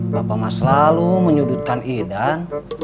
bapak mas selalu menyudutkan idan